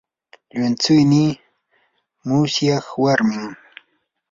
llumtsuynii musyaq warmin.